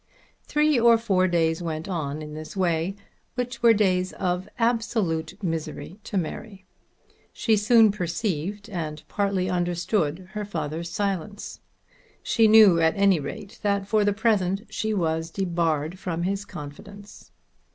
Three or four days went on in this way, which were days of absolute misery to Mary. She soon perceived and partly understood her father's silence. She knew at any rate that for the present she was debarred from his confidence.